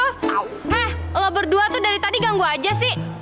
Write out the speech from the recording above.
eh lo berdua tuh dari tadi ganggu aja sih